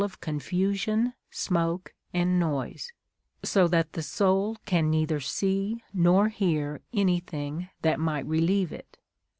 of confusion, smoke, and noise, so that the soul can neither see nor hear any thing that might reheve it.